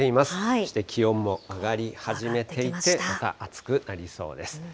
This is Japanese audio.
そして気温も上がり始めていて、また暑くなりそうです。